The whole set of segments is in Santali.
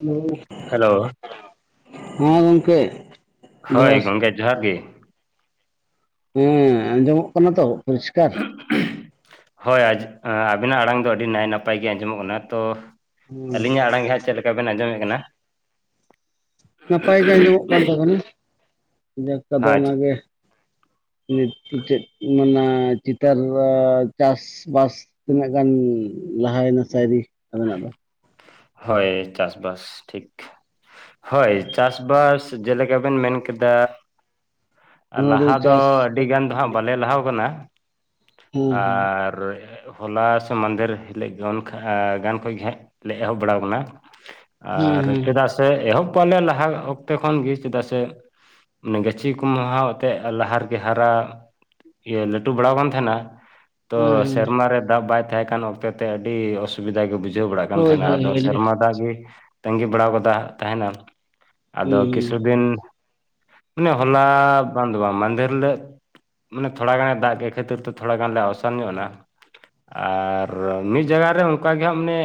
ᱦᱮᱞᱳ, ᱦᱮᱞᱳ, ᱦᱚᱸ ᱜᱚᱝᱠᱮ ᱾ ᱦᱳᱭ ᱜᱚᱝᱠᱮ, ᱡᱚᱦᱟᱨ ᱜᱮ ᱾ ᱦᱮᱸ, ᱟᱸᱡᱚᱢᱚᱜ ᱠᱟᱱᱟ ᱛᱚ ᱯᱚᱨᱤᱥᱠᱟᱨ? ᱦᱳᱭ, ᱟᱵᱤᱱᱟᱜ ᱟᱲᱟᱝ ᱫᱚ ᱟᱹᱰᱤ ᱱᱟᱭ ᱱᱟᱯᱟᱭ ᱜᱮ ᱟᱸᱡᱚᱢᱚᱜ ᱠᱟᱱᱟ ᱛᱚ ᱦᱩᱸ ᱟᱹᱞᱤᱧᱟᱜ ᱟᱲᱟᱝ ᱜᱮ ᱦᱟᱸᱜ, ᱪᱮᱫ ᱞᱮᱠᱟ ᱵᱮᱱ ᱟᱸᱡᱚᱢᱮᱜ ᱠᱟᱱᱟ? ᱱᱟᱯᱟᱭ ᱜᱮ ᱟᱸᱡᱚᱢᱚᱜ ᱠᱟᱱ ᱛᱟᱵᱚᱱᱟ, ᱡᱟᱠ ᱛᱟᱫᱚ ᱦᱮᱸ ᱚᱱᱟ ᱜᱮ ᱾ ᱱᱤᱛ ᱪᱮᱫ ᱢᱟᱱᱮ ᱪᱤᱛᱟᱹᱨ ᱪᱟᱥ ᱵᱟᱥ ᱛᱤᱱᱟᱹᱜ ᱜᱟᱱ ᱞᱟᱦᱟᱭᱮᱱᱟ ᱥᱮ ᱟᱹᱣᱨᱤ ᱟᱵᱮᱱᱟᱜ ᱫᱚ? ᱦᱳᱭ, ᱪᱟᱥᱵᱟᱥ ᱴᱷᱤᱠ ᱾ ᱦᱳᱭ, ᱪᱟᱥ ᱵᱟᱥ ᱡᱮᱞᱮᱠᱟ ᱵᱮᱱ ᱢᱮᱱ ᱠᱮᱫᱟ ᱦᱩᱲᱩ ᱞᱟᱦᱟ ᱫᱚ ᱪᱟᱥ ᱟᱹᱰᱤᱜᱟᱱ ᱫᱚ ᱦᱟᱸᱜ ᱦᱮᱸ ᱵᱟᱞᱮ ᱞᱟᱦᱟᱣ ᱠᱟᱱᱟ ᱦᱮᱸ ᱟᱨ ᱦᱚᱞᱟ ᱥᱮ ᱢᱟᱫᱷᱮᱨ ᱦᱤᱞᱳᱜ ᱜᱟᱱ ᱠᱷᱚᱡᱜᱮ ᱦᱟᱸᱜ ᱞᱮ ᱮᱦᱚᱵ ᱵᱟᱲᱟᱣ ᱟᱠᱟᱱᱟ ᱾ ᱦᱮᱸ ᱟᱨ ᱦᱮᱸ ᱪᱮᱫᱟᱜ ᱥᱮ ᱮᱦᱚᱵ ᱯᱟᱞᱮ ᱞᱟᱦᱟ ᱚᱠᱛᱮ ᱠᱷᱚᱱ ᱜᱮ, ᱪᱮᱫᱟᱜ ᱥᱮ ᱚᱱᱮ ᱜᱟᱹᱪᱷᱤ ᱢᱟᱦᱟ ᱦᱚᱛᱮ ᱞᱟᱦᱟ ᱨᱮᱜᱮ ᱦᱟᱨᱟ ᱤᱭᱟᱹ ᱞᱟᱹᱴᱩ ᱵᱟᱲᱟ ᱟᱠᱟᱱ ᱛᱟᱦᱮᱱᱟ ᱾ ᱛᱚ ᱦᱮᱸ ᱦᱮᱸ ᱥᱮᱨᱢᱟ ᱨᱮ ᱫᱟᱜ ᱵᱟᱭ ᱛᱟᱦᱮᱸ ᱠᱟᱱ ᱚᱠᱛᱮ ᱛᱮ ᱟᱹᱰᱤ ᱚᱥᱩ ᱥᱩᱵᱤᱫᱷᱟ ᱜᱮ ᱵᱩᱡᱷᱟᱹᱣ ᱵᱟᱲᱟᱜ ᱠᱟᱱ ᱦᱳᱭ ᱛᱟᱦᱮᱱᱟ, ᱦᱳᱭ ᱟᱫᱚ ᱦᱳᱭ ᱥᱮᱨᱢᱟ ᱫᱟᱜ ᱜᱮ ᱛᱟᱸᱜᱤ ᱵᱟᱲᱟ ᱠᱟᱫᱟ ᱛᱟᱦᱮᱱᱟ ᱾ ᱟᱫᱚ ᱦᱩᱸ ᱠᱤᱪᱷᱩ ᱫᱤᱱ ᱢᱟᱱᱮ ᱦᱚᱞᱟ ᱵᱟᱸᱝ ᱫᱚ ᱵᱟᱝ ᱢᱟᱦᱫᱷᱮᱨ ᱦᱤᱞᱟᱹᱜ ᱢᱟᱱᱮ ᱛᱷᱚᱲᱟ ᱜᱟᱱ ᱫᱟᱜ ᱠᱮᱫ ᱠᱷᱟᱹᱛᱤᱨ ᱛᱮ ᱛᱷᱚᱲᱟ ᱜᱟᱱ ᱞᱮ ᱟᱥᱟᱱ ᱧᱚᱜ ᱮᱱᱟ ᱾ ᱟᱨ ᱢᱤᱫ ᱡᱟᱭᱜᱟ ᱨᱮ ᱚᱱᱠᱟ ᱜᱮ ᱦᱟᱸᱜ ᱢᱟᱱᱮ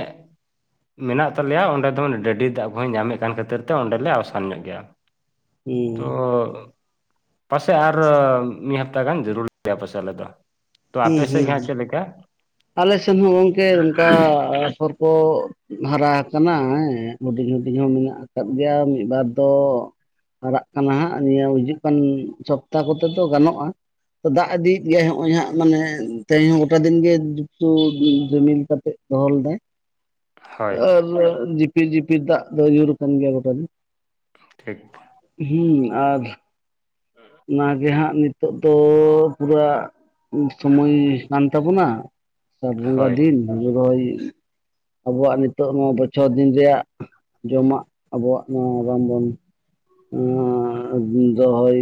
ᱢᱮᱱᱟᱜ ᱛᱟᱞᱮᱭᱟ ᱚᱸᱰᱮ ᱫᱚ ᱰᱟᱹᱰᱤ ᱫᱟᱜ ᱠᱚ ᱦᱚᱸᱭ ᱧᱟᱢᱮᱫ ᱠᱟᱱ ᱠᱷᱟᱹᱛᱤᱨ ᱛᱮ ᱚᱸᱰᱮᱞᱮ ᱟᱥᱟᱱ ᱧᱚᱜ ᱜᱮᱭᱟ᱾ ᱦᱩᱸ ᱛᱚ ᱦᱩᱸ ᱾ ᱯᱟᱥᱮᱜ ᱟᱨ ᱢᱤᱫ ᱦᱟᱯᱛᱟ ᱜᱟᱱ ᱡᱚᱨᱩᱨᱤ ᱜᱮᱭᱟ ᱯᱟᱥᱮᱜ ᱟᱞᱮ ᱫᱚ᱾ ᱛᱚ ᱦᱩᱸ ᱟᱯᱮᱥᱮᱡ ᱜᱮ ᱦᱩᱸ ᱦᱟᱸᱜ ᱪᱮᱫ ᱞᱮᱠᱟ? ᱟᱞᱮ ᱥᱮᱱ ᱦᱚᱸ ᱜᱚᱝᱠᱮ ᱚᱱᱠᱟ ᱟᱯᱷᱚᱨ ᱠᱚ ᱦᱟᱨᱟ ᱦᱠᱟᱱᱟ ᱦᱮᱸ ᱦᱩᱰᱤᱧ ᱦᱩᱰᱤᱧ ᱦᱚᱸ ᱢᱮᱱᱟᱜ ᱟᱠᱟᱫ ᱜᱮᱭᱟ ᱢᱤᱫ ᱵᱟᱨ ᱫᱚ ᱦᱟᱨᱟᱜ ᱠᱟᱱᱟ ᱦᱟᱸᱜ ᱱᱤᱭᱟᱹ ᱦᱤᱡᱩᱜ ᱠᱟᱱ ᱥᱚᱯᱛᱟᱦᱚ ᱠᱚᱛᱮ ᱫᱚ ᱜᱟᱱᱚᱜ-ᱟ᱾ ᱛᱚ ᱫᱟᱜ ᱤᱫᱤᱭᱮᱫ ᱜᱮᱭᱟᱭ ᱦᱚᱸᱜ-ᱚᱭ ᱦᱟᱸᱜ ᱢᱟᱱᱮ ᱛᱮᱦᱮᱧ ᱦᱚᱸ ᱜᱚᱴᱟ ᱫᱤᱱ ᱜᱮ ᱦᱩ ᱨᱤᱢᱤᱞ ᱠᱟᱛᱮᱜ ᱫᱚᱦᱚ ᱞᱮᱫᱟᱭ ᱦᱳᱭ ᱟᱨᱻ ᱯᱤ ᱡᱤᱯᱤᱨ ᱫᱟᱜ ᱫᱚ ᱧᱩᱨ ᱨᱟᱠᱟᱱ ᱜᱮᱭᱟ ᱜᱚᱴᱟᱜᱮ᱾ ᱴᱷᱤᱠ ᱦᱩᱸ ᱟᱨ ᱦᱩᱸ ᱚᱱᱟᱜᱮ ᱦᱟᱸᱜ ᱱᱤᱛᱳᱜ ᱫᱚ ᱯᱩᱨᱟ ᱥᱚᱢᱚᱭ ᱠᱟᱱ ᱛᱟᱵᱩᱱᱟ᱾ ᱟᱥᱟᱲ ᱵᱚᱸᱜᱟ ᱦᱳᱭ ᱫᱤᱱ ᱦᱩᱲᱩ ᱨᱚᱦᱚᱭ ᱟᱵᱚᱣᱟᱜ ᱱᱤᱛᱳᱜ ᱱᱚᱣᱟ ᱵᱚᱪᱷᱚᱨ ᱫᱤᱱ ᱨᱮᱭᱟᱜ ᱡᱚᱢᱟᱜ ᱟᱵᱚᱣᱟᱜ ᱱᱚᱣᱟ ᱵᱟᱢ ᱵᱚᱱ ᱟᱻ ᱫᱚᱦᱚᱭ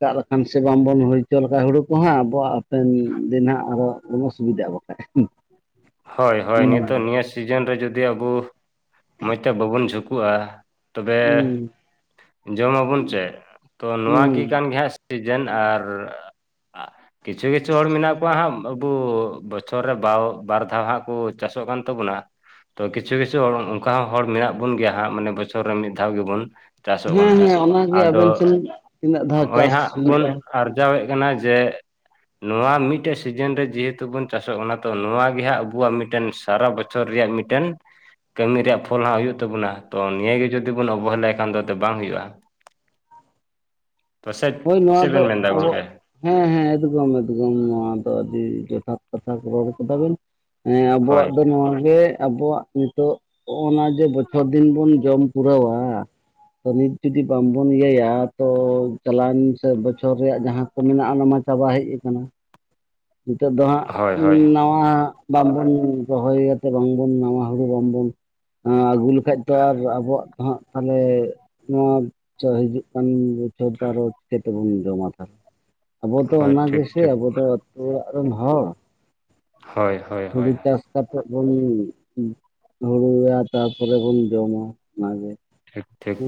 ᱫᱟᱜ ᱞᱮᱠᱷᱟᱱ ᱥᱮ ᱵᱟᱝᱵᱚᱱ ᱦᱩᱭ ᱦᱚᱪᱚ ᱞᱮᱠᱷᱟᱡ ᱦᱩᱲᱩ ᱠᱚᱦᱚᱸ ᱟᱵᱚᱣᱟᱜ ᱦᱟᱯᱮᱱ ᱫᱤᱱ ᱦᱟᱸᱜ ᱟᱨᱚ ᱫᱚᱢᱮ ᱚᱥᱩᱵᱤᱫᱟᱜ-ᱟ ᱵᱟᱠᱷᱟᱡ᱾ ᱦᱚᱭ ᱦᱚᱭ ᱱᱤᱛᱳᱜ ᱦᱩᱸ ᱱᱤᱭᱟᱹ ᱥᱤᱡᱤᱱ ᱨᱮ ᱡᱩᱫᱤ ᱟᱵᱩ ᱢᱚᱸᱡᱽ ᱛᱮ ᱵᱟᱵᱚᱱ ᱡᱷᱩᱠᱩᱜ-ᱟ, ᱛᱚᱵᱮ ᱡᱚᱢᱟᱵᱚᱱ ᱪᱮᱜ ᱛᱚ ᱱᱚᱣᱟ ᱜᱮ ᱦᱩᱸ ᱠᱟᱱ ᱜᱮ ᱦᱟᱸᱜ ᱥᱤᱡᱮᱱ ᱟᱨ ᱠᱤᱪᱷᱩ ᱠᱤᱪᱷᱩ ᱦᱚᱲ ᱢᱮᱱᱟᱜ ᱠᱚᱣᱟ ᱦᱟᱸᱜ ᱟᱵᱩ ᱵᱚᱪᱷᱚᱨ ᱨᱮ ᱵᱟᱣ ᱵᱟᱨ ᱛᱟᱣ ᱦᱟᱸᱜ ᱠᱩ ᱪᱟᱥᱚᱜ ᱠᱟᱱ ᱛᱟᱵᱚᱱᱟ᱾ ᱛᱚ ᱠᱤᱪᱷᱩ ᱠᱤᱪᱷᱩ ᱦᱚᱲ ᱚᱱᱠᱟ ᱦᱚᱸ ᱦᱚᱲ ᱢᱮᱱᱟᱜ ᱵᱚᱱ ᱜᱮᱭᱟ ᱦᱟᱸᱜ ᱢᱟᱱᱮ ᱵᱚᱪᱷᱚᱨ ᱨᱮ ᱢᱤᱫ ᱫᱷᱟᱣ ᱜᱮᱵᱚᱱ ᱪᱟᱥᱚᱜ ᱦᱮᱸ ᱠᱚᱱᱟ ᱦᱮᱸ ᱚᱱᱟᱜᱮ ᱟᱫᱚ ᱟᱵᱮᱱ ᱥᱮᱱ ᱛᱤᱱᱟᱹᱜ ᱫᱷᱟᱣ ᱦᱚᱜ-ᱚᱭ ᱦᱟᱸᱜ ᱪᱟᱥ ᱵᱚᱱ ᱦᱩᱭᱩᱜᱼᱟ ᱟᱨᱡᱟᱣᱮᱜ ᱠᱟᱱᱟ ᱡᱮ ᱱᱚᱣᱟ ᱢᱤᱫᱴᱮᱡ ᱥᱤᱡᱤᱱ ᱨᱮ ᱡᱮᱦᱮᱛᱩ ᱵᱩᱱ ᱪᱟᱥᱚᱜ ᱠᱟᱱᱟ ᱛᱚ ᱱᱚᱣᱟ ᱜᱮ ᱦᱟᱸᱜ ᱵᱩᱣᱟᱜ ᱢᱤᱜᱴᱮᱱ ᱥᱟᱨᱟ ᱵᱚᱪᱷᱚᱨ ᱨᱮᱭᱟᱜ ᱢᱤᱴᱮᱱ ᱠᱟᱹᱢᱤ ᱨᱮᱭᱟᱜ ᱯᱷᱚᱞ ᱦᱟᱸᱜ ᱦᱩᱭᱩᱜ ᱛᱟᱵᱩᱱᱟ ᱛᱚ ᱱᱤᱭᱟᱹ ᱜᱮ ᱡᱩᱫᱤ ᱵᱚᱱ ᱚᱵᱚᱦᱮᱞᱟᱭ ᱠᱷᱟᱱ ᱟᱫᱚ ᱵᱟᱝ ᱦᱩᱭᱩᱜ-ᱟ᱾ ᱯᱟᱥᱮᱡ ᱦᱳᱭ ᱱᱚᱣᱟ ᱪᱮᱫ ᱫᱚ ᱵᱮᱱ ᱢᱮᱱᱫᱟ ᱟᱵᱚ ᱜᱚᱝᱠᱮ? ᱦᱮᱸ ᱦᱮᱸ ᱮᱫᱜᱚᱢ ᱮᱫᱜᱚᱢ ᱱᱚᱣᱟ ᱫᱚ ᱟᱹᱰᱤ ᱡᱚᱛᱷᱟᱛ ᱠᱟᱛᱷᱟ ᱠᱚ ᱨᱚᱲ ᱠᱟᱫᱟ ᱵᱮᱱ᱾ ᱦᱮᱸ ᱦᱳᱭ ᱟᱵᱚᱣᱟᱜ ᱫᱚ ᱱᱚᱣᱟᱜ ᱜᱮ ᱟᱵᱚᱣᱟᱜ ᱱᱤᱛᱳᱜ ᱚᱱᱟ ᱡᱮ ᱵᱚᱪᱷᱚᱨ ᱫᱤᱱ ᱵᱚᱱ ᱡᱚᱢ ᱯᱩᱨᱟᱹᱣᱟ᱾ ᱛᱚ ᱱᱤᱛ ᱡᱩᱫᱤ ᱵᱟᱢ ᱵᱚᱱ ᱤᱭᱟᱹᱭᱟ ᱛᱚ ᱪᱟᱞᱟᱣᱮᱱ ᱥᱮ ᱵᱚᱪᱷᱚᱨ ᱨᱮᱭᱟᱜ ᱡᱟᱦᱟᱸ ᱠᱚ ᱢᱮᱱᱟᱜ-ᱟ ᱚᱱᱟᱢᱟ ᱪᱟᱵᱟ ᱦᱮᱡ ᱟᱠᱟᱱᱟ᱾ ᱱᱤᱛᱳᱜ ᱫᱚ ᱦᱟᱸᱜ ᱦᱳᱭ ᱦᱳᱭ ᱱᱟ ᱟ ᱵᱟᱢᱵᱚᱱ ᱨᱚᱦᱚᱭ ᱥᱮ ᱵᱟᱝᱵᱚᱱ ᱱᱟᱣᱟ ᱦᱩᱲᱩ ᱵᱟᱢᱵᱚᱱ ᱮᱸ ᱦᱩ ᱞᱮᱠᱷᱟᱡ ᱛᱚ ᱟᱨ ᱟᱵᱚᱣᱟᱜ ᱫᱚ ᱦᱟᱸᱜ ᱛᱷᱟᱞᱮ ᱱᱚᱣᱟ ᱦᱤᱡᱩᱜ ᱠᱟᱱ ᱵᱚᱪᱷᱚᱨ ᱫᱚ ᱟᱨᱚ ᱪᱤᱠᱟᱹ ᱛᱮᱵᱚᱱ ᱡᱚᱢᱟ ᱛᱟᱦᱞᱮ? ᱟᱵᱚ ᱫᱚ ᱦᱳᱭ ᱚᱱᱟ ᱴᱷᱤᱠ ᱜᱮᱥᱮ ᱴᱷᱤᱠ ᱟᱵᱚ ᱫᱚ ᱟᱹᱛᱩ ᱚᱲᱟᱜ ᱨᱮᱱ ᱦᱚᱲ ᱦᱳᱭ ᱦᱳᱭ ᱦᱳᱭ ᱦᱩᱲᱩ ᱪᱟᱥ ᱠᱟᱛᱮᱜ ᱵᱚᱱ ᱦᱩᱲᱩᱭᱟ ᱛᱟᱯᱚᱨᱮ ᱵᱚᱱ ᱡᱚᱢᱟ ᱚᱱᱟᱜᱮ᱾ ᱴᱷᱤᱠ ᱴᱷᱤᱠ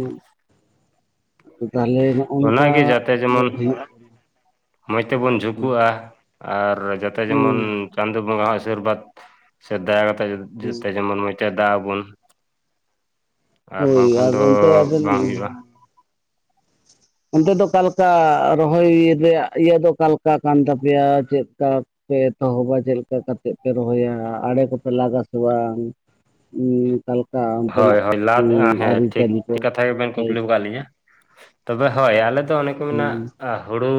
ᱛᱟᱦᱞᱮ ᱱᱚᱜ ᱚᱱ ᱠᱟ ᱦᱩᱭᱩᱜ-ᱟ ᱢᱚᱸᱡᱽ ᱛᱮᱵᱚᱱ ᱡᱷᱩᱠᱩᱜ-ᱟ ᱟᱨ ᱡᱟᱛᱮ ᱡᱮᱢᱚᱱ ᱦᱩᱸ ᱪᱟᱸᱫ ᱵᱚᱸᱜᱣᱟᱜ ᱟᱥᱤᱨᱵᱟᱫᱽ ᱥᱮ ᱫᱟᱭᱟ ᱠᱟᱛᱮᱜ ᱦᱩᱸ ᱡᱚᱛᱚ ᱡᱮᱢᱚᱱ ᱢᱮᱫ ᱪᱮ ᱫᱟ ᱟᱵᱩᱱ ᱟᱨ ᱦᱳᱭ ᱵᱟᱝᱠᱷᱟᱱ ᱫᱚ ᱚᱱᱛᱮ ᱟᱵᱮᱱ ᱵᱟᱝ ᱦᱩᱭᱩᱜ-ᱟ᱾ ᱚᱱᱛᱮ ᱫᱚ ᱚᱠᱟ ᱞᱮᱠᱟ ᱨᱚᱦᱚᱭ ᱤᱭᱟᱹ ᱨᱮᱭᱟᱜ ᱤᱭᱟᱹ ᱫᱚ ᱚᱠᱟ ᱠᱟᱱ ᱛᱟᱯᱮᱭᱟ ᱪᱮᱫ ᱠᱟ ᱯᱮ ᱮᱛᱚᱦᱚᱵᱟ ᱪᱮᱫ ᱞᱮᱠᱟ ᱠᱟᱛᱮᱫ ᱯᱮ ᱨᱚᱦᱚᱭᱟ ᱟᱲᱮ ᱠᱚᱯᱮ ᱞᱟᱜᱟ ᱥᱮ ᱵᱟᱝ ᱾ ᱩᱸ᱾ ᱟᱠᱟ ᱞᱮᱠᱟ ᱾ ᱦᱚᱭ ᱦᱚᱭ ᱞᱟ [unintelligible] ᱴᱷᱤᱠ ᱠᱟᱛᱷᱟ ᱜᱮᱵᱮᱱ ᱞᱟᱹᱭ ᱠᱩᱠᱞᱤ ᱟᱠᱟᱫ ᱛᱟᱞᱟᱝ ᱞᱤᱧᱟ ᱛᱚᱵᱮ ᱦᱚᱭ ᱟᱞᱮ ᱫᱚ ᱚᱱᱮ ᱠᱚ ᱢᱮᱱᱟ ᱦᱩᱸ ᱦᱩᱲᱩ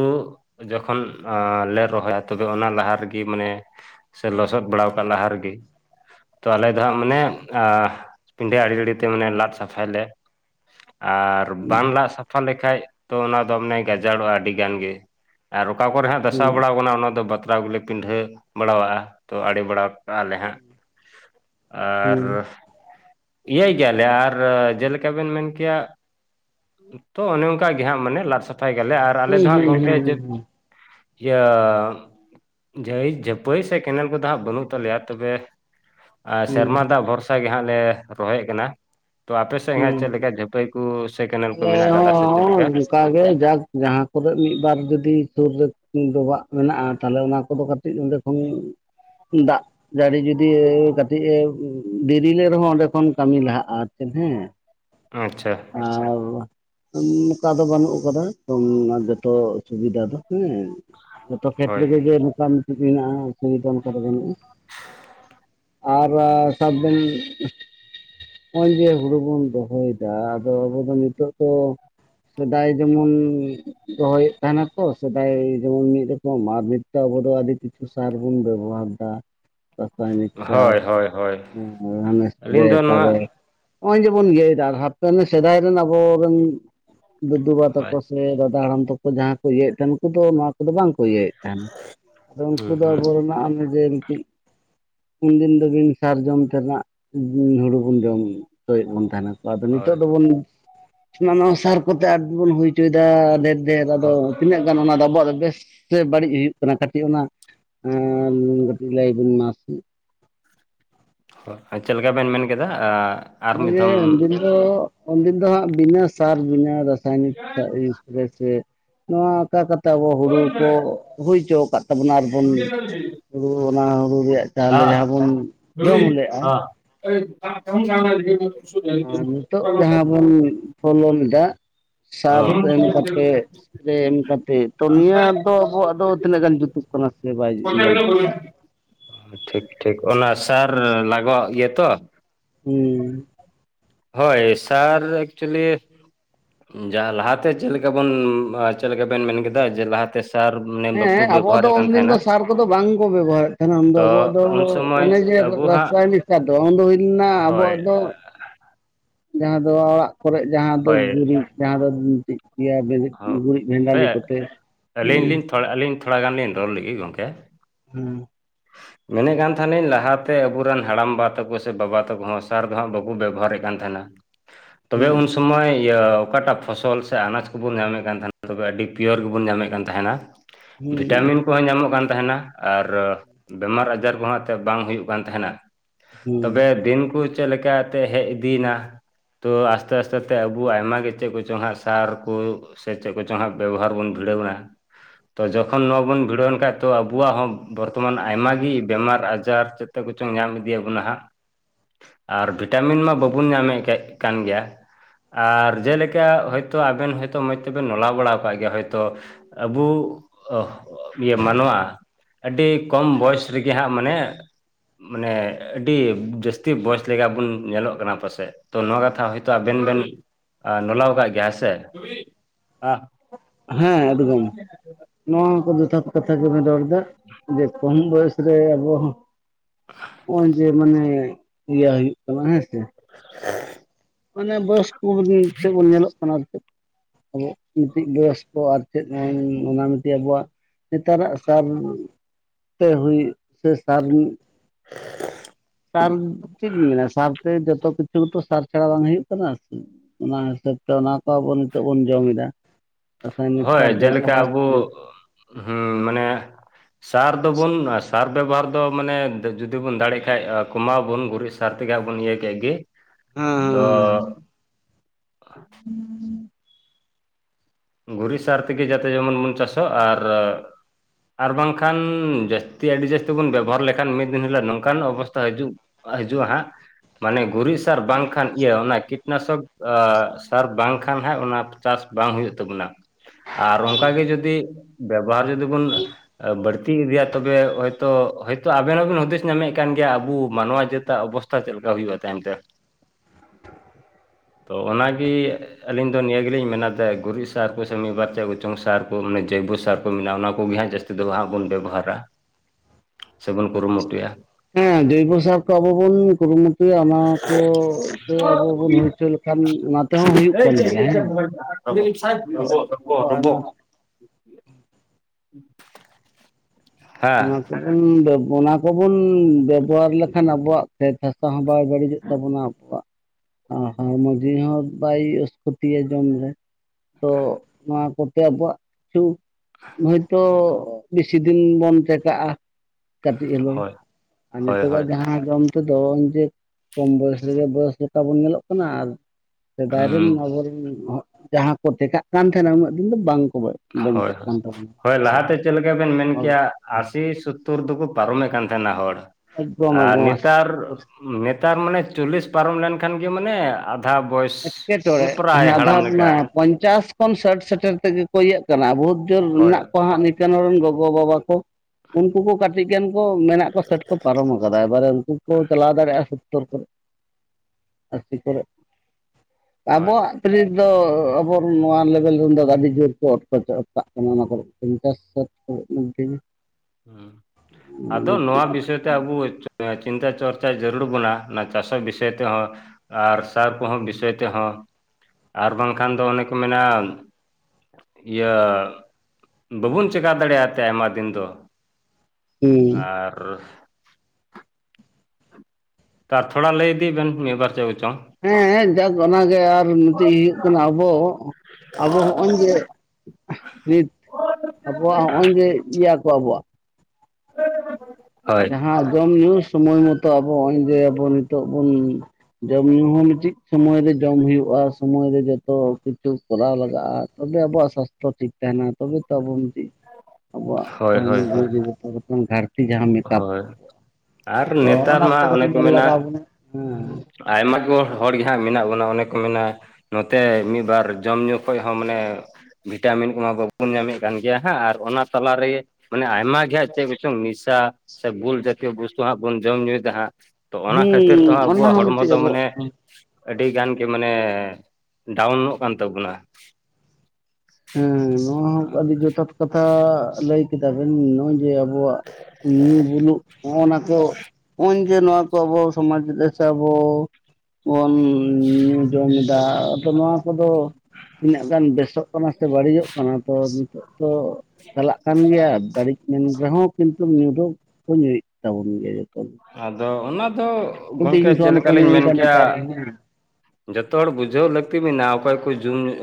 ᱡᱚᱠᱷᱚᱱ ᱟᱸ ᱞᱮ ᱨᱚᱦᱚᱭᱟ ᱛᱚᱵᱮ ᱚᱱᱟ ᱞᱟᱦᱟ ᱨᱮᱜᱮ ᱢᱟᱱᱮ ᱥᱮ ᱞᱚᱥᱚᱫ ᱵᱟᱲᱟᱣ ᱠᱟᱜ ᱞᱟᱦᱟ ᱨᱮᱜᱮ ᱛᱚ ᱟᱞᱮ ᱫᱚ ᱢᱟᱱᱮ ᱟ ᱯᱤᱰᱟᱹ ᱟᱲᱮ ᱟᱲᱮ ᱛᱮ ᱢᱟᱱᱮ ᱞᱟᱫ ᱥᱟᱯᱷᱟᱭᱟᱞᱮ ᱟᱨ ᱵᱟᱢ ᱦᱩᱸ ᱞᱟᱫ ᱥᱟᱯ ᱥᱟᱯᱷᱟ ᱞᱮᱠᱷᱟᱡ ᱛᱚ ᱚᱱᱟ ᱫᱚ ᱢᱟᱱᱮ ᱜᱟᱡᱟᱲᱚᱜᱼᱟ ᱟᱹᱰᱤ ᱜᱟᱱ ᱜᱮ ᱟᱨ ᱚᱠᱟ ᱠᱚᱨᱮ ᱦᱟᱸᱜ ᱫᱟᱥᱟᱣ ᱵᱟᱲᱟᱣ ᱠᱟᱱᱟ ᱚᱱᱟ ᱫᱚ ᱵᱟᱛᱞᱟᱣ ᱜᱮᱞᱮ ᱯᱤᱰᱷᱟᱹ ᱵᱟᱲᱟᱣᱟᱜᱼᱟ, ᱛᱚ ᱟᱲᱮ ᱵᱟᱲᱟ ᱟᱞᱮ ᱦᱟᱜ ᱟᱨ ᱦᱩᱸ ᱤᱭᱟᱹᱭ ᱜᱮᱭᱟᱞᱮ ᱟᱨ ᱡᱮᱞᱮᱠᱟ ᱵᱮᱱ ᱢᱮᱱ ᱠᱮᱭᱟ ᱛᱚ ᱚᱱᱮ ᱚᱱᱠᱟ ᱜᱮ ᱦᱟᱸᱜ ᱢᱟᱱᱮ ᱞᱟᱫ ᱥᱟᱯᱷᱟᱭ ᱜᱮᱭᱟᱞᱮ ᱟᱨ ᱟᱞᱮ ᱦᱩᱸ ᱫᱚᱦᱟᱸᱜ ᱦᱩᱸ ᱜᱚᱝᱠᱮ ᱦᱩᱸ ᱡᱮ ᱦᱩᱸ ᱤᱭᱟᱹ ᱡᱷᱟ. ᱭ ᱡᱷᱟᱯᱟᱹᱭ ᱥᱮ ᱠᱮᱱᱮᱞ ᱠᱚᱫᱚ ᱦᱟᱸᱜ ᱵᱟᱹᱱᱩᱜ ᱛᱟᱞᱮᱭᱟ ᱛᱚᱵᱮ ᱦᱩᱸ ᱥᱮᱨᱢᱟ ᱫᱟᱜᱽ ᱵᱷᱚᱨᱥᱟ ᱜᱮ ᱦᱟᱸᱜ ᱞᱮ ᱨᱚᱦᱚᱭᱮᱜ ᱠᱟᱱᱟ, ᱛᱚ ᱟᱯᱮ ᱥᱮᱫ ᱜᱮ ᱦᱟᱜ ᱦᱩᱸ ᱪᱮᱫ ᱞᱮᱠᱟ ᱡᱷᱟᱯ ᱯᱟᱹᱭ ᱠᱚ ᱥᱮ ᱠᱮᱱᱮᱞ ᱠᱚ ᱢᱮᱱᱟᱜ ᱟᱠᱟᱫᱟ ᱥᱮ ᱪᱮᱫ ᱞᱮᱠᱟ᱾ ᱠᱟᱜᱮ ᱡᱟᱠ ᱡᱟᱦᱟᱸ ᱠᱚᱨᱮᱜ ᱢᱤᱫ ᱵᱟᱨ ᱡᱩᱫᱤ ᱥᱩᱨ ᱨᱮ ᱰᱚᱵᱟᱜ ᱢᱮᱱᱟᱜᱼᱟ ᱛᱟᱦᱞᱮ ᱚᱱᱟ ᱠᱚᱫᱚ ᱠᱟ ᱠᱟᱹᱴᱤᱡ ᱚᱸᱰᱮ ᱠᱷᱚᱱ ᱫᱟᱜᱽ ᱡᱟᱹᱲᱤ ᱡᱩᱫᱤ ᱠᱟᱴᱤᱡ ᱮ ᱰᱤᱨᱤ ᱞᱮ ᱨᱮᱦᱚ ᱚᱸᱰᱮ ᱠᱷᱚᱱ ᱠᱟᱹᱢᱤ ᱞᱟᱦᱟᱜᱼᱟ ᱟᱨ ᱪᱮ ᱦᱟᱸᱜ᱾ ᱟᱪᱪᱷᱟ ᱾ ᱟᱣ ᱱᱚᱠᱟ ᱫᱚ ᱵᱟᱹᱱᱩᱜ ᱟᱠᱟᱫᱟ ᱛᱚ ᱚᱱᱟ ᱡᱚᱛᱚ ᱥᱩᱵᱤᱫᱷᱟ ᱫᱚ ᱦᱮᱸ ᱡᱚᱛᱚ ᱯᱷᱮᱛ ᱦᱳᱭ ᱯᱷᱮᱛ ᱨᱮᱜᱮ ᱱᱚᱝᱠᱟ ᱢᱤᱫᱴᱤᱡ ᱢᱮᱱᱟᱜᱼᱟ ᱚᱥᱚᱵᱤᱫᱟ ᱫᱚ ᱚᱱᱠᱟ ᱵᱟᱹᱱᱩᱜᱼᱟ ᱾ [inaudible] ᱟᱨ ᱥᱟᱵ ᱵᱤᱱ ᱱᱚᱜ ᱚᱭ ᱡᱮ ᱦᱩᱲᱩ ᱵᱚᱱ ᱫᱚᱦᱚ ᱭᱮᱫᱟ ᱟᱫᱚ ᱟᱵᱚ ᱫᱚ ᱱᱤᱛᱚᱜ ᱫᱚ ᱥᱮᱫᱟᱭ ᱡᱮᱢᱚᱱ ᱫᱚᱦᱚᱭᱮᱫ ᱛᱟᱦᱮᱸ ᱱᱟᱠᱚ ᱥᱮᱫᱟᱭ ᱡᱮᱢᱚᱱ ᱢᱤᱫ ᱨᱚᱠᱚᱢ ᱟᱨ ᱱᱤᱛ ᱟᱵᱚ ᱫᱚ ᱟᱹᱰᱤ ᱠᱤᱪᱷᱩ ᱥᱟᱨ ᱵᱚᱱ ᱵᱮᱵᱚᱦᱟᱨ ᱮᱫᱟ᱾ ᱨᱟᱥᱟᱭᱱᱤᱠ ᱥᱟᱨ ᱦᱳᱭ ᱦᱳᱭ ᱦᱳᱭ ᱟᱨ ᱟᱹᱞᱤᱧ ᱮᱥᱯᱮᱨᱮ ᱫᱚ ᱱᱚᱣᱟ ᱱᱚᱜᱼᱚᱭ ᱡᱮᱵᱚᱱ ᱤᱭᱟᱹᱭ ᱮᱫᱟ ᱟᱨ ᱦᱟᱯᱮᱱ ᱨᱮᱱ ᱥᱮᱫᱟᱭ ᱨᱮᱱ ᱟᱵᱚᱨᱮᱱ ᱫᱩᱫᱩ ᱵᱟ ᱦᱳᱭ ᱛᱟᱠᱚ ᱥᱮ ᱫᱟᱫᱟ ᱦᱟᱲᱟᱢ ᱛᱮᱠᱚ ᱡᱟᱦᱟᱭ ᱠᱚ ᱤᱭᱟᱹᱭᱮᱫ ᱛᱟᱦᱮᱸᱱ ᱩᱱᱠᱩ ᱫᱚ ᱱᱚᱣᱟ ᱩᱱᱠᱩ ᱫᱚ ᱵᱟᱝᱠᱚ ᱤᱭᱟᱹᱭᱮᱫ ᱛᱟᱦᱮᱱᱟ ᱟᱫᱚ ᱩᱱᱠᱩ ᱦᱩᱸ ᱫᱚ ᱦᱩᱸ ᱟᱵᱚ ᱨᱮᱱᱟᱜ ᱚᱱᱮ ᱡᱮ ᱩᱱᱫᱤᱱ ᱫᱚᱵᱤᱱ ᱥᱟᱨᱡᱚᱢ ᱛᱮᱱᱟᱜ ᱦᱩᱲᱩ ᱯᱩᱱ ᱡᱚᱢ ᱦᱚᱪᱚᱭᱮᱫ ᱵᱚᱱ ᱛᱟᱦᱮᱸᱱᱟ ᱟᱫᱚ ᱦᱳᱭ ᱱᱤᱛᱚᱜ ᱫᱚᱵᱚᱱ ᱦᱟᱱᱟ ᱱᱟᱣᱟ ᱥᱟᱨ ᱠᱚᱛᱮ ᱟᱰᱤ ᱵᱚᱱ ᱦᱩᱭ ᱦᱚᱪᱚᱭ ᱮᱫᱟ, ᱰᱮ ᱫᱮ ᱟᱫᱚ ᱦᱳ ᱛᱤᱱᱟᱹᱜ ᱜᱟᱱ ᱚᱱᱟ ᱫᱚ ᱟᱵᱚᱣᱟᱜ ᱫᱚ ᱵᱮᱥ ᱥᱮ ᱵᱟᱹᱲᱤᱡ ᱦᱩᱭᱩᱜ ᱠᱟᱱᱟ ᱠᱟᱴᱤᱡ ᱚᱱᱟ ᱟᱸ ᱠᱟᱴᱤᱡ ᱞᱟ. ᱭ ᱵᱤᱱ ᱢᱟᱥᱮ ᱪᱮᱫ ᱞᱮᱠᱟ ᱵᱮᱱ ᱢᱮᱱ ᱠᱮᱫᱟ ᱟ ᱚᱱᱮ ᱡᱮ ᱩᱱᱫᱤᱱ ᱫᱚ ᱩᱱᱫᱤᱱ ᱫᱚ ᱦᱟᱜ ᱵᱤᱱᱟᱹ ᱥᱟᱨ ᱵᱤᱱᱟᱹ ᱨᱟᱥᱟᱭᱱᱤᱠ ᱛᱮ ᱦᱩᱭᱩᱜ [unintelligible] ᱥᱮ ᱱᱚᱣᱟ ᱚᱝᱠᱟ ᱠᱟᱛᱮ ᱟᱵᱚ ᱚ ᱦᱩᱲᱩ ᱠᱚ ᱦᱩᱭ ᱦᱚᱪᱚ ᱟᱠᱟᱫ ᱛᱟᱵᱚᱱᱟ ᱟᱨ ᱵᱚᱱ ᱦᱩᱲᱩ ᱚᱱᱟ ᱦᱩᱲᱩ ᱨᱮᱭᱟᱜ ᱪᱟᱣᱞᱮ ᱡᱟᱦᱟ ᱵᱚᱱ ᱡᱚᱢ ᱞᱮᱜᱼᱟ [unintelligible] ᱟᱨ ᱱᱤᱛᱚᱜ ᱡᱟᱦᱟ ᱵᱚᱱ ᱯᱚᱞᱚᱱ ᱮᱫᱟ ᱥᱟᱨ ᱮᱢ ᱠᱟᱛᱮᱜ ᱨᱮ ᱮᱢ ᱠᱟᱛᱮᱫ ᱴᱚ ᱱᱤᱭᱟᱹ ᱫᱚ ᱟᱵᱚᱣᱟᱜ ᱫᱚ ᱛᱤᱱᱟᱹᱜ ᱜᱟᱱ ᱡᱩᱛᱩᱜ ᱠᱟᱱᱟ ᱥᱮ ᱵᱟᱭ ᱵᱟᱲᱤᱡᱚᱜ ᱠᱟᱱᱟ? ᱴᱷᱤᱠ ᱴᱷᱤᱠ ᱚᱱᱟ ᱥᱟᱨ ᱞᱟᱜᱟᱣᱟᱜ ᱜᱮᱭᱟ ᱛᱚ? ᱦᱩᱸ ᱾ ᱦᱳᱭ, ᱥᱟᱨ ᱮᱠᱪᱩᱭᱮᱞᱤ ᱡᱟ ᱞᱟᱦᱟᱛᱮ ᱪᱮᱫ ᱞᱮᱠᱟ ᱵᱚᱱ ᱪᱮᱫ ᱞᱮᱠᱟ ᱵᱮᱱ ᱢᱮᱱ ᱠᱮᱫᱟ ᱡᱮ ᱞᱟᱦᱟᱛᱮ ᱥᱟᱨ ᱢᱟᱱᱮ ᱦᱮᱸ ᱵᱟᱠᱚ ᱟᱵᱚ ᱫᱚ ᱵᱮᱵᱚᱦᱟᱨᱮᱫ ᱠᱟᱱ ᱩᱱᱫᱤᱱ ᱫᱚ ᱛᱟᱦᱮᱱᱟ ᱥᱟᱨ ᱠᱚᱫᱚ ᱵᱟᱝᱠᱚ ᱵᱮᱵᱚᱦᱟᱨ ᱮᱫ ᱛᱟᱦᱮᱱᱟ ᱩᱱᱫᱚ ᱛᱚ ᱟᱵᱚᱣᱟᱜ ᱫᱚ ᱩᱱ ᱥᱚᱢᱚᱭ ᱚᱱᱮ ᱡᱮ ᱨᱟᱥ ᱟᱵᱚ ᱦᱟᱸᱜ ᱨᱟᱥᱟᱭᱱᱤᱠ ᱥᱟᱨ ᱫᱚ ᱩᱱᱫᱚ ᱦᱩᱭ ᱞᱮᱱᱟ ᱦᱳᱭ ᱟᱵᱚᱣᱟᱜ ᱫᱚ ᱡᱟᱦᱟᱸ ᱫᱚ ᱚᱲᱟᱜ ᱠᱚᱨᱮ ᱡᱟᱦᱟᱸ ᱫᱚ ᱦᱳᱭ ᱜᱩᱨᱤᱡ ᱡᱟᱦᱟᱸ ᱫᱚ ᱜᱩᱨᱤᱡ ᱜᱮᱭᱟ ᱢᱮᱱᱟᱹᱧ ᱵᱷᱮᱸᱰᱟᱞᱤ ᱠᱚᱛᱮ, ᱦᱮᱸ ᱾ ᱱᱚᱰᱮ ᱟᱹᱞᱤᱧ ᱛᱷᱚᱲᱟ ᱜᱟᱱ ᱞᱤᱧ ᱨᱚᱲ ᱞᱮᱜᱮ ᱜᱚᱝᱠᱮ ᱮᱸ ᱾ ᱢᱮᱱᱮᱜ ᱠᱟᱱ ᱛᱟᱦᱮᱱᱤᱧ ᱞᱟᱦᱟᱛᱮ ᱟᱵᱚᱨᱮᱱ ᱦᱟᱲᱟᱢᱵᱟ ᱛᱟᱠᱚ ᱥᱮ ᱵᱟᱵᱟ ᱛᱟᱠᱚ ᱦᱚᱸ ᱥᱟᱨ ᱫᱚ ᱦᱟᱸᱜ ᱵᱟᱠᱚ ᱵᱮᱵᱚᱦᱟᱨᱮᱫ ᱠᱟᱱ ᱛᱟᱦᱮᱱᱟ, ᱛᱚᱵᱮ ᱩᱱ ᱦᱩᱸ ᱥᱚᱢᱚᱭ ᱤᱭᱟᱹ ᱚᱠᱟᱴᱟᱜ ᱯᱷᱚᱥᱚᱞ ᱥᱮ ᱟᱱᱟᱡᱽ ᱠᱚᱵᱚᱱ ᱧᱟᱢᱮᱫ ᱠᱟᱱ ᱛᱟᱦᱮᱱᱟ ᱛᱚᱵᱮ ᱟᱹᱰᱤ ᱯᱤᱭᱳᱨ ᱜᱮᱵᱚᱱ ᱧᱟᱢᱮᱫ ᱠᱟᱱ ᱛᱟᱦᱮᱱᱟ, ᱦᱩᱸ ᱵᱷᱤᱴᱟᱢᱤᱱ ᱠᱚᱦᱚᱸ ᱧᱟᱢᱚᱜ ᱠᱟᱱ ᱛᱟᱦᱮᱱᱟ ᱟᱨ ᱵᱮᱹᱢᱟᱨ ᱟᱡᱟᱨ ᱠᱷᱚᱱᱟᱜ ᱛᱮ ᱵᱟᱝ ᱦᱩᱭᱩᱜ ᱠᱟᱱ ᱛᱟᱦᱮᱱᱟ ᱾ ᱦᱩᱸ ᱛᱚᱵᱮ ᱫᱤᱱ ᱠᱚ ᱪᱮᱞ ᱠᱟᱛᱮ ᱦᱮᱡ ᱤᱫᱤᱭᱮᱱᱟ? ᱛᱚ ᱟᱥᱛᱮ ᱟᱥᱛᱮ ᱛᱮ ᱟᱵᱚ ᱟᱭᱢᱟ ᱜᱮ ᱪᱮᱜ ᱠᱚ ᱪᱚ ᱦᱟ'ᱜ ᱥᱟᱨ ᱠᱚ ᱥᱮ ᱪᱮᱜ ᱠᱚᱪᱚ ᱦᱟᱸᱜ ᱵᱮᱵᱚᱦᱟᱨ ᱵᱚᱱ ᱵᱷᱤᱲᱟᱹᱣ ᱟ ᱾ ᱛᱚ ᱡᱚᱠᱷᱚᱱ ᱱᱚᱣᱟ ᱵᱚᱱ ᱵᱷᱤᱲᱟᱹᱣᱮᱱ ᱠᱷᱟᱡ ᱛᱚ ᱟᱵᱚᱣᱟᱜ ᱦᱚᱸ ᱵᱚᱨᱛ ᱾ ᱵ [unintelligible] ᱥᱚᱢᱟᱱ ᱟᱭᱢᱟ ᱜᱮ ᱵᱮᱢᱟᱨ ᱟᱡᱟᱨ ᱡᱚᱛᱚ ᱠᱤᱪᱷᱩ ᱧᱟᱢ ᱤᱫᱤᱭᱟ ᱵᱚᱱᱟ ᱦᱟᱸᱜ ᱾ ᱟᱨ ᱵᱷᱤᱴᱟᱢᱤᱱ ᱢᱟ ᱵᱟᱵᱚᱱ ᱧᱟᱢᱮᱫ ᱠᱮᱫ-ᱠᱟᱱ ᱜᱮᱭᱟ ᱾ ᱟᱨ ᱡᱮᱞᱮᱠᱟ ᱦᱚᱭᱛᱚ ᱟᱵᱮᱱ ᱦᱚᱭᱛᱚ ᱢᱚᱡᱽ ᱛᱮᱵᱮᱱ ᱱᱚᱞᱟᱣ ᱵᱟᱲᱟᱣ ᱟᱠᱟᱫ ᱜᱮᱭᱟ ᱦᱚᱭᱛᱚ ᱾ ᱟᱵᱩ ᱚᱦ-ᱚ-ᱤᱭᱟᱹ ᱢᱟᱱᱚᱣᱟ ᱟᱹᱰᱤ ᱠᱚᱢ ᱵᱚᱭᱮᱥ ᱨᱮᱜᱮ ᱦᱟᱸᱜ ᱢᱟᱱᱮ ᱢᱟᱱᱮ ᱟᱹᱰᱤ ᱡᱟᱹᱥᱛᱤ ᱵᱚᱭᱮᱥ ᱞᱮᱠᱟ ᱵᱚᱱ ᱧᱮᱞᱚᱜ ᱠᱟᱱᱟ ᱯᱟᱥᱮᱡ ᱾ ᱛᱚ ᱱᱚᱣᱟ ᱠᱟᱛᱷᱟ ᱦᱚᱭᱛᱚ ᱟᱵᱮᱱ ᱵᱮᱱ ᱱᱚᱞᱟᱣ ᱟᱠᱟᱫ ᱜᱮᱭᱟ, ᱦᱮᱸ ᱥᱮ? ᱦᱮᱸ ᱮᱫᱽᱜᱚᱢ, ᱱᱚᱣᱟ ᱠᱚ ᱡᱚᱛᱷᱟᱛ ᱠᱟᱛᱷᱟ ᱜᱮᱵᱮᱱ ᱨᱚᱲ ᱮᱫᱟ ᱾ ᱡᱮ ᱠᱚᱢ ᱵᱚᱭᱚᱥ ᱨᱮ ᱟᱵᱚ ᱦᱚᱸ ᱱᱚᱜᱼᱚᱭ ᱡᱮ ᱢᱟᱱᱮ ᱤᱭᱟᱹ ᱦᱩᱭᱩᱜ ᱛᱟᱢᱟ ᱦᱮᱸᱥᱮ ᱾ ᱢᱟᱱᱮ ᱵᱚᱭᱚᱥᱠᱚ ᱛᱮᱫ ᱵᱚᱱ ᱧᱮᱞᱚᱜ ᱠᱟᱱᱟ ᱪᱮᱫ ᱟᱵᱚ ᱢᱤᱫᱴᱤᱡ ᱵᱚᱭᱚᱥᱠᱚ ᱟᱨ ᱪᱮᱫ ᱮᱢ ᱚᱱᱟ ᱢᱤᱫᱴᱮᱜ ᱟᱵᱚᱣᱟᱜ ᱱᱮᱛᱟᱨᱟᱜ ᱥᱟᱨ, ᱩᱦ ᱛᱮ ᱦᱩᱭ ᱥᱮ ᱥᱟᱨ-ᱱ [unintelligible] ᱪᱮ-ᱲᱮ-ᱪ ᱾ ᱥᱟᱨ-ᱱ ᱪᱮᱫ ᱤᱧ ᱢᱮᱱᱟ, ᱥᱟᱨᱛᱮ ᱡᱚᱛᱚ ᱠᱤᱪᱷ, - ᱥᱛᱳᱜ ᱦᱚᱸᱛᱚ [unintelligible] ᱥᱟᱨ ᱪᱷᱟᱲᱟ ᱵᱟᱝ ᱦᱳᱭᱳᱜ ᱠᱟᱱᱟ ᱚᱱᱟ ᱦᱤᱥᱟᱹᱵ ᱛᱮ ᱚᱱᱟ ᱠᱚ ᱟᱵᱚ ᱱᱤᱛᱳᱜ ᱵᱚᱱ ᱡᱚᱢ ᱮᱫᱟ ᱾ ᱦᱳᱭ ᱡᱮᱞᱮᱠᱟ ᱟᱵᱚ ᱩᱸᱦ-ᱦᱩᱸ ᱢᱟᱱᱮ ᱥᱟᱨ ᱫᱚᱵᱚᱱ, ᱥᱟᱨ ᱵᱮᱵᱚᱦᱟᱨ ᱫᱚ ᱢᱟᱱᱮ ᱡᱩᱫᱤ ᱵᱚᱱ ᱫᱟᱲᱮᱜ ᱠᱷᱟᱱ ᱠᱚᱢᱟᱣ ᱵᱚᱱ ᱜᱩᱨᱤ ᱥᱟᱨ ᱛᱮᱜᱮ ᱦᱟᱸᱜ ᱵᱚᱱ ᱤᱭᱟᱹ ᱠᱮᱜ ᱜᱮ, ᱛᱚ ᱩᱸᱦ-ᱦ-ᱦ [unintelligible] ᱾ ᱜᱩᱨᱤᱡ ᱥᱟᱨ ᱛᱮᱜᱮ ᱡᱟᱛᱮ ᱡᱮᱢᱚᱱ ᱵᱚᱱ ᱪᱟᱥᱚᱜ ᱟᱨ ᱟᱨ ᱵᱟᱝᱠᱷᱟᱱ ᱡᱟᱹᱥᱛᱤ, ᱟᱹᱰᱤ ᱡᱟᱹᱥᱛᱤ ᱵᱚᱱ ᱵᱮᱵᱚᱦᱟᱨ ᱞᱮᱠᱷᱟᱱ ᱢᱤᱫ ᱫᱤᱱ ᱦᱤᱞᱳᱜ ᱱᱚᱝᱠᱟᱱ ᱚᱵᱚᱥᱛᱟ ᱦᱤᱡᱩᱜ ᱫᱟᱜ ᱦᱤᱡᱩᱜ-ᱟ ᱦᱟᱸᱜ? ᱢᱟᱱᱮ ᱜᱩᱨᱤᱡ ᱥᱟᱨ ᱵᱟᱝᱠᱷᱟᱱ ᱤᱭᱟᱹ ᱚᱱᱟ ᱠᱤᱴᱱᱟᱥᱚᱠ ᱟ ᱥᱟᱨ ᱵᱟᱝᱠ ᱠᱷᱟᱱ ᱦᱟᱸᱜ ᱚᱱᱟ ᱪᱟᱥ ᱵᱟᱝ ᱦᱩᱭᱩᱜ ᱛᱟᱵᱚᱱᱟ ᱟᱨ ᱚᱱᱠᱟ ᱜᱮ ᱡᱩᱫᱤ ᱵᱮᱵᱚᱦᱟᱨ ᱡᱩᱫᱤ ᱵᱚᱱ ᱥᱮᱜ ᱵᱟᱹᱲᱛᱤ ᱤᱫᱤᱭᱟ ᱛᱚᱵᱮ ᱛᱚ ᱦᱳᱭᱛᱳ ᱟᱵᱮᱱ ᱦᱚᱸᱵᱮᱱ ᱦᱩᱫᱤᱥ ᱧᱟᱢᱮᱫ ᱠᱟᱱ ᱜᱮᱭᱟ ᱟᱵᱩ ᱢᱟᱱᱣᱟ ᱡᱟᱹᱛᱟᱜ ᱚᱵᱚᱥᱛᱟ ᱪᱮᱫᱠᱟ ᱦᱩᱭᱩᱜᱼᱟ ᱛᱟᱭᱚᱢ ᱛᱮ᱾ ᱛᱚ ᱚᱱᱟᱜᱮ ᱟᱹᱞᱤᱧ ᱫᱚ ᱱᱤᱭᱟᱹ ᱜᱮᱞᱤᱧ ᱢᱮᱱᱟ ᱜᱩᱨᱤᱥᱼᱼ ᱥᱟᱨ ᱠᱚ ᱥᱮ ᱢᱤᱫ ᱵᱟᱨᱪᱟ ᱠᱚᱪᱚᱝ ᱥᱟᱨ ᱠᱚ ᱢᱟᱱᱮ ᱡᱚᱭᱵᱚ ᱥᱟᱨ ᱠᱚ ᱢᱮᱱᱟᱜᱼᱟ᱾ ᱚᱱᱟ ᱠᱚᱜᱮ ᱦᱟᱜ ᱡᱟᱹᱥᱛᱤ ᱫᱚ ᱦᱟᱸᱜ ᱵᱚᱱ ᱵᱮᱵᱚᱦᱟᱨᱟ᱾ ᱥᱮᱵᱚᱱ ᱠᱚᱨᱩ ᱢᱩᱴᱩᱭᱟ᱾ ᱦᱮᱸ ᱡᱳᱭᱵᱚ ᱥᱟᱨ ᱠᱚ ᱟᱵᱚ ᱵᱚᱱ ᱠᱩᱨᱩ ᱢᱩᱴᱩᱭᱟ ᱚᱱᱟ ᱠᱚ ᱟᱵᱚ ᱵᱚᱱ ᱦᱩᱭᱪᱳ ᱠᱟᱢᱤ ᱚᱱᱟ ᱛᱮᱦᱚᱸ ᱦᱩᱭᱩᱜ ᱠᱟᱱ ᱜᱮᱭᱟ ᱦᱮᱸ᱾ ᱚᱵ ᱥᱟᱦᱮ ᱨ ᱟᱫᱚ ᱨᱵ ᱟᱵᱚᱣᱟᱜ ᱨᱵᱚ ᱚᱱᱟ [inaudible] ᱦᱩᱸ [unintelligible] ᱚᱱᱟ ᱠᱚᱵᱚᱱ ᱚᱱᱟ ᱠᱚᱵᱚᱱ ᱵᱮᱵᱚᱦᱟᱨ ᱞᱮᱠᱷᱟᱱ ᱟᱵᱚᱣᱟᱜ ᱠᱷᱮᱛ ᱦᱟᱥᱟ ᱚᱠᱟ ᱦᱚᱸ ᱵᱟᱭ ᱵᱟᱹᱲᱤᱡᱚᱜ ᱛᱟᱵᱚᱱᱟ ᱟᱵᱚᱣᱟᱜ᱾ ᱟᱨ ᱦᱚᱲ ᱢᱚᱡᱤ ᱦᱚᱸ ᱵᱟᱭ ᱩᱥᱯᱚᱛᱤᱭᱟ ᱡᱚᱢ ᱨᱮ ᱾ ᱛᱚ ᱱᱚᱣᱟ ᱠᱚᱛᱮ ᱟᱵᱚᱣᱟᱜ ᱠᱤᱪᱷᱩ᱾᱾ ᱦᱚᱭᱛᱚ ᱵᱮᱥᱤ ᱫᱤᱱ ᱵᱚᱱ ᱴᱷᱮ ᱠᱟᱜᱼᱟ ᱠᱟᱹᱴᱤᱡ ᱦᱳᱞᱳ ᱦᱳᱭ ᱟᱨ ᱦᱳᱭ ᱦᱮᱛᱳᱜᱟᱜ ᱦᱳᱭ ᱡᱟᱦᱟᱸ ᱡᱚᱢᱼᱼ ᱦᱮᱛᱳᱜ ᱫᱚ ᱡᱮ ᱠᱚᱢ ᱵᱚᱭᱮᱥ ᱨᱮᱜᱮ ᱵᱚᱭᱚᱥ ᱞᱮᱠᱟ ᱵᱚᱱ ᱧᱮᱞᱚᱜ ᱠᱟᱱᱟ ᱟᱨᱼᱼ ᱥᱮᱫᱟᱭ ᱨᱮᱱ ᱟᱵᱚᱨᱮᱱ ᱡᱟᱦᱟᱸ ᱠᱚ ᱴᱮᱠᱟᱜ ᱠᱟᱱ ᱛᱟᱦᱮᱱᱟ ᱩᱱᱟᱹᱜ ᱫᱤᱱ ᱫᱚ ᱵᱟᱝᱠᱚ᱾ ᱦᱳᱭ ᱵᱟᱧᱪᱟᱜ ᱠᱟᱱ ᱛᱟᱵᱚᱱᱟ ᱦᱳᱭ ᱞᱟᱦᱟ ᱛᱮ ᱪᱮᱫ ᱞᱮᱠᱟᱵᱤᱱ ᱢᱮᱱ ᱦᱚᱲ᱾ ᱠᱮᱭᱟ᱾ ᱟᱥᱤ ᱥᱚᱛᱛᱚᱨ ᱫᱚᱠᱚ ᱯᱟᱨᱚᱢᱮᱫ ᱠᱟᱱ ᱛᱟᱦᱮᱸᱱᱟ ᱦᱚᱲ ᱮᱠᱫᱚᱢ ᱟᱨ ᱮᱠᱫᱚᱢ ᱱᱮᱛᱟᱨ᱾ ᱱᱮᱛᱟᱨ ᱢᱟᱱᱮ ᱪᱚᱞᱞᱤᱥ ᱯᱟᱨᱚᱢ ᱞᱮᱱᱠᱷᱟᱱ ᱜᱮ ᱢᱟᱱᱮ᱾ ᱟᱫᱷᱟ ᱵᱚᱭᱮᱥ ᱮᱴᱠᱮᱴᱚᱬᱮ ᱯᱨᱟᱭ ᱦᱮᱸ ᱟᱫᱷᱟ ᱦᱟᱲᱟᱢ ᱞᱮᱠᱟ᱾ ᱯᱚᱧᱪᱟᱥ ᱠᱷᱚᱱ ᱥᱟᱴ ᱥᱮᱴᱮᱨ ᱛᱮᱜᱮ ᱠᱚ ᱤᱭᱟᱹᱜ ᱠᱟᱱᱟ ᱵᱚᱦᱩᱛ ᱡᱳᱨ ᱦᱳᱭ ᱨᱮᱱᱟᱜ ᱠᱚ ᱦᱟᱸᱜᱼᱼ ᱱᱤᱝ ᱠᱟᱱ ᱨᱮᱱ ᱜᱚᱜᱚ ᱵᱟᱵᱟ ᱠᱚ ᱩᱱᱠᱩ ᱠᱚ ᱠᱟᱹᱴᱤᱡ ᱜᱟᱱ ᱠᱚ ᱢᱮᱱᱟᱜᱼᱼ ᱥᱮᱴ ᱠᱚ ᱯᱟᱨᱚᱢ ᱟᱠᱟᱫᱟ ᱮᱵᱟᱨᱮ ᱩᱱᱠᱩ, ᱠᱚ ᱪᱟᱞᱟᱣ ᱫᱟᱲᱮᱭᱟᱜᱼᱟ ᱥᱚᱛᱛᱚᱨ ᱠᱚᱨᱮ ᱟᱥᱤ ᱠᱚᱨᱮ᱾ ᱦᱳᱭ ᱟᱵᱚᱣᱟᱜᱼᱼ ᱯᱷᱤᱨᱤ ᱫᱚ ᱟᱵᱚᱨ ᱱᱚᱣᱟ ᱞᱮᱵᱮᱞ ᱨᱮᱱᱫᱚ ᱟᱹᱰᱤ ᱡᱳᱨ ᱠᱚ ᱚᱴᱠᱚᱪᱚ ᱠᱟᱜ ᱠᱟᱱᱟ ᱚᱱᱟ ᱠᱚ ᱯᱚᱪᱟᱥᱼᱼ ᱚᱠᱤᱱ [unintelligible] ᱦᱩᱸ ᱟᱫᱚ ᱱᱚᱣᱟ ᱵᱤᱥᱚᱭ ᱛᱮ ᱟᱵᱩᱼᱼ ᱪᱤᱱᱛᱟᱹ ᱪᱚᱨᱪᱟ ᱡᱟᱹᱨᱩᱲ ᱵᱚᱱᱟ ᱚᱱᱟ ᱪᱟᱥᱟ ᱵᱤᱥᱚᱭ ᱛᱮᱦᱚᱸ ᱟᱨ ᱥᱟᱨ ᱠᱚᱦᱚᱸ ᱵᱤᱥᱚᱭ ᱛᱮᱦᱚᱸ ᱟᱨ ᱵᱟᱝ ᱠᱷᱟᱱ ᱫᱚ ᱚᱱᱮ ᱠᱚ ᱢᱮᱱᱟ᱾ ᱤᱭᱟᱹ ᱵᱟᱵᱚᱱ ᱪᱮᱠᱟ ᱫᱟᱲᱮᱭᱟᱜ ᱮᱱᱛᱮ ᱟᱭᱢᱟ ᱫᱤᱱ ᱫᱚ᱾ ᱟᱨᱼᱼ ᱛᱟᱨ ᱛᱷᱚᱲᱟ ᱞᱟᱹᱭ ᱤᱫᱮ ᱵᱮᱱ ᱢᱤᱫ ᱵᱟᱨ ᱪᱟᱣᱪᱚᱝ, ᱦᱮᱸ ᱡᱟᱠ ᱚᱱᱟᱜᱮ ᱟᱨ ᱢᱤᱫᱴᱤᱡ ᱦᱩᱭᱩᱜ ᱠᱟᱱᱟ ᱟᱵᱚ ᱟᱵᱚ ᱦᱚᱜᱼᱚᱭ ᱡᱮᱼᱼ ᱱᱤᱛ ᱟᱵᱚᱣᱟᱜ ᱦᱚᱸᱜᱼᱚᱭ ᱡᱮ ᱤᱭᱟᱹ ᱠᱚ ᱟᱵᱚᱣᱟᱜᱼᱼ [unintelligible] ᱡᱟᱦᱟᱸ ᱡᱚᱢ ᱧᱩ ᱥᱚᱢᱚᱭ ᱢᱚᱛᱚ ᱟᱵᱚ ᱱᱚᱜᱼᱚᱭ ᱡᱮ ᱟᱵᱚ ᱱᱤᱛᱚᱜ ᱵᱚᱱᱼᱼ ᱡᱚᱢ ᱧᱩ ᱦᱚᱸ ᱢᱤᱫᱴᱤᱡ ᱥᱚᱢᱚᱭ ᱨᱮ ᱡᱚᱢ ᱦᱩᱭᱩᱜᱼᱟ᱾ ᱥᱚᱢᱚᱭ ᱨᱮ ᱡᱚᱛᱚ ᱠᱤᱪᱷᱩ ᱠᱚᱨᱟᱣ ᱞᱟᱜᱟᱜᱼᱟ ᱛᱚᱵᱮ ᱟᱵᱚᱣᱟᱜ ᱥᱟᱥᱛᱷᱚ ᱴᱷᱤᱠ, ᱛᱟᱦᱮᱱᱟ ᱛᱚᱵᱮ ᱛᱚ ᱟᱵᱚ ᱢᱤᱴᱤᱡ ᱟᱵᱚᱣᱟᱜ ᱦᱳᱭ ᱦᱚᱲᱢᱚ ᱦᱳᱭ ᱦᱳᱭ ᱡᱤᱣᱤ ᱨᱮ ᱜᱟᱹᱨᱛᱤ ᱡᱟᱦᱟᱸᱼᱼ ᱛᱚ ᱦᱳᱭ ᱟᱨ ᱱᱚᱜ ᱱᱮᱛᱟᱨ ᱱᱚᱣᱟ ᱠᱚ ᱠᱟᱴᱤᱡ ᱧᱮᱞ ᱞᱟᱣ ᱵᱚᱱᱟ ᱦᱮᱸ, ᱟᱭᱢᱟᱜ ᱦᱚᱲ ᱜᱮ ᱦᱟᱸᱜ ᱢᱮᱱᱟᱜ ᱵᱚᱱᱟ ᱚᱱᱮ ᱠᱚ ᱢᱮᱱᱟ᱾ ᱱᱚᱛᱮ ᱢᱤᱫᱵᱟᱨ ᱡᱚᱢ ᱧᱩ ᱠᱷᱚᱱ ᱦᱚᱸ ᱢᱟᱱᱮᱼᱼ ᱵᱷᱤᱴᱟᱢᱤᱱ ᱠᱚᱢᱟ ᱵᱟᱵᱚᱱ ᱧᱟᱢᱮᱫ ᱠᱟᱱ ᱜᱮᱭᱟ ᱦᱟᱸᱜ ᱟᱨ ᱚᱱᱟ ᱛᱟᱞᱟ ᱨᱮᱼᱼ ᱢᱟᱱᱮ ᱟᱭᱢᱟ ᱜᱮ ᱦᱟᱸᱜ ᱪᱮᱫ ᱠᱚᱪᱚᱝ ᱱᱮᱥᱟ ᱥᱮ ᱵᱩᱞ ᱡᱟᱛᱤᱭᱚ ᱵᱚᱥᱛᱩ ᱦᱟᱸᱜ ᱵᱚᱱ ᱡᱚᱢ ᱧᱩᱭᱮᱫᱟ ᱦᱟᱸᱜ, ᱛᱚ ᱚᱱᱟ ᱠᱷᱟᱹᱛᱤᱨ ᱛᱮᱦᱚᱸ ᱦᱩᱸ ᱚᱱᱟ ᱟᱵᱚᱣᱟᱜ ᱦᱚᱸ ᱦᱚᱲᱢᱚ ᱢᱤᱫᱴᱤᱡ ᱫᱚ ᱟᱵᱚᱣᱟᱜ ᱢᱟᱱᱮ ᱦᱮᱸ ᱟᱹᱰᱤ ᱜᱟᱱ ᱜᱮ ᱢᱟᱱᱮ ᱰᱟᱹᱣᱩᱱᱚᱜ ᱠᱟᱱ ᱛᱟᱵᱚᱱᱟ ᱾ ᱦᱮᱸ ᱱᱚᱣᱟ ᱦᱚᱸ ᱟᱹᱰᱤ ᱡᱚᱛᱷᱟᱛ ᱠᱟᱛᱷᱟ ᱞᱟᱹᱭ ᱠᱮᱫᱟ ᱵᱮᱱ ᱱᱚᱜᱼᱚᱭ ᱡᱮ ᱟᱵᱚᱣᱟᱜ ᱧᱩ ᱵᱩᱞᱩᱜ ᱚᱱᱟ ᱠᱚ ᱡᱮ ᱱᱚᱣᱟ ᱠᱚ ᱟᱵᱚ ᱥᱚᱢᱟᱡ ᱨᱮ ᱥᱮ ᱟᱵᱚ ᱵᱚᱱ ᱧᱩ ᱡᱚᱢᱮᱫᱟ ᱟᱫᱚ ᱱᱚᱣᱟ ᱠᱚᱫᱚ ᱛᱤᱱᱟᱹᱜ ᱜᱟᱱ ᱵᱮᱥᱚᱜ ᱠᱟᱱᱟ ᱥᱮ ᱵᱟᱹᱲᱤᱡᱚᱜ ᱠᱟᱱᱟ? ᱛᱚ ᱱᱤᱛᱚᱜ ᱛᱚ ᱪᱟᱞᱟᱜ ᱠᱟᱱ ᱜᱮᱭᱟ ᱵᱟᱹᱲᱤᱡ᱾ ᱢᱮᱱ ᱨᱮᱦᱚᱸ ᱠᱤᱱᱛᱩ ᱧᱩ ᱫᱚᱠᱚ ᱧᱩᱭᱮᱫ ᱛᱟᱵᱚᱱ ᱜᱮᱭᱟ ᱡᱚᱛᱚ ᱾ ᱟᱫᱚ ᱚᱱᱟ ᱫᱚ ᱜᱚᱝᱠᱮ ᱪᱮᱫ ᱠᱷᱚᱱ ᱠᱚ ᱞᱮᱠᱟᱞᱤᱧ ᱢᱮᱱ ᱧᱩᱭᱮᱫᱟ ᱠᱮᱭᱟ ᱱᱮᱛᱟᱨ ᱦᱮᱸ ᱾ ᱡᱚᱛᱚ ᱦᱚᱲ ᱵᱩᱡᱷᱟᱹᱣ ᱞᱟᱹᱠᱛᱤ ᱢᱮᱱᱟᱜᱼᱟ ᱾ ᱚᱠᱚᱭ ᱠᱚ ᱡᱩᱢ ᱧᱩ